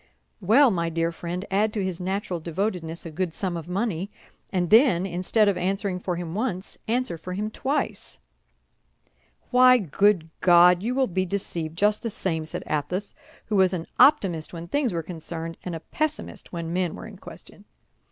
"Well, my dear friend, add to his natural devotedness a good sum of money, and then, instead of answering for him once, answer for him twice." "Why, good God! you will be deceived just the same," said Athos, who was an optimist when things were concerned, and a pessimist when men were in question.